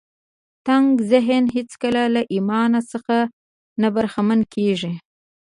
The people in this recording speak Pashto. تنګ ذهن هېڅکله له ايمان څخه نه برخمن کېږي.